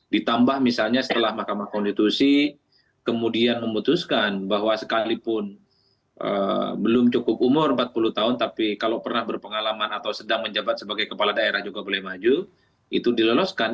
ditambah misalnya setelah mahkamah konstitusi kemudian memutuskan bahwa sekalipun belum cukup umur empat puluh tahun tapi kalau pernah berpengalaman atau sedang menjabat sebagai kepala daerah juga boleh maju itu diloloskan